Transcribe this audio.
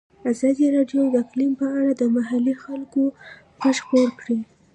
ازادي راډیو د اقلیم په اړه د محلي خلکو غږ خپور کړی.